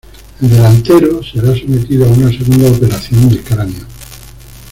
El delantero será sometido a una segunda operación de cráneo.